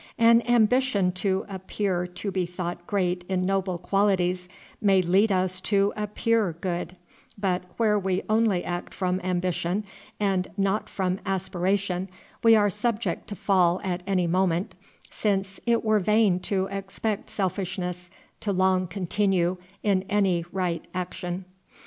An ambition to appear to be thought great in noble qualities may lead us to appear good; but where we only act from ambition, and not from aspiration, we are subject to fall at any moment, since it were vain to expect selfishness to long continue in any right action.